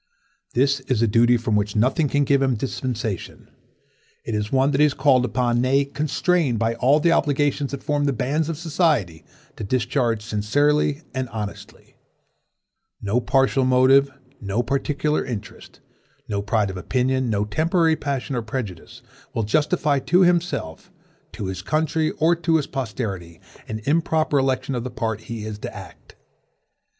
This is a duty from which nothing can give him a dispensation. 'T is one that he is called upon, nay, constrained by all the obligations that form the bands of society, to discharge sincerely and honestly. No partial motive, no particular interest, no pride of opinion, no temporary passion or prejudice, will justify to himself, to his country, or to his posterity, an improper election of the part he is to act.